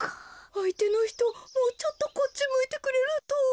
あいてのひともうちょっとこっちむいてくれると。